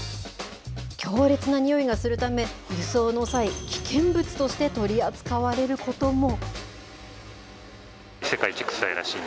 強烈なにおいがするため、輸送の際、危険物として取り扱われることも。